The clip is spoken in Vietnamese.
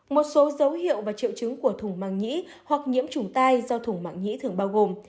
một số dấu hiệu và triệu chứng của thủng màng nhĩ hoặc nhiễm chủng tai do thủng màng nhĩ thường bao gồm